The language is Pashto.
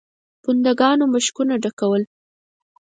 پونده ګانو مشکونه ډکول.